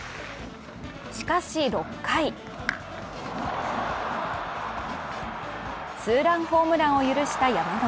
しかし６回ツーランホームランを許した山本。